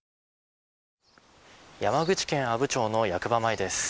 山口県阿武町の役場前です。